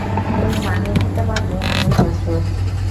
তুমি মানিয়ে নিতে পারলে আমি প্রস্তুত।